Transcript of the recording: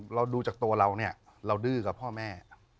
เราดูจากตัวเราเนี่ยเราดื้อกับพ่อแม่